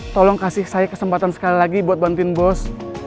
tolong kasih saya kesempatan sekali lagi buat bantuin bos